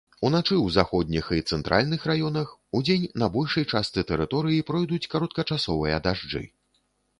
Уначы ў заходніх і цэнтральных раёнах, удзень на большай частцы тэрыторыі пройдуць кароткачасовыя дажджы.